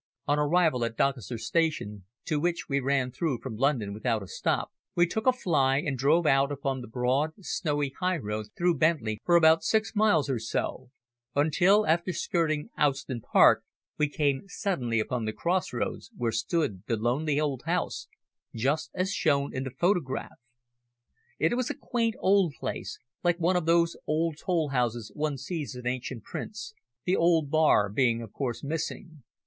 On arrival at Doncaster station, to which we ran through from London without a stop, we took a fly and drove out upon the broad, snowy highroad through Bentley for about six miles or so, until, after skirting Owston Park we came suddenly upon the crossroads where stood the lonely old house, just as shown in the photograph. It was a quaint, old place, like one of those old toll houses one sees in ancient prints, the old bar being of course missing.